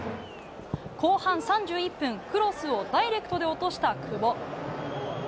後半３１分、クロスをダイレクトで落とした久保。